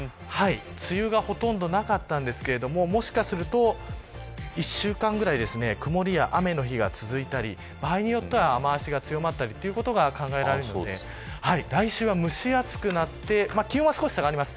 梅雨がほとんどなかったんですがもしかすると１週間ぐらい曇りや雨の日が続いたり場合によっては雨脚が強まってるということが考えられるので来週は蒸し暑くなって気温は少し下がります。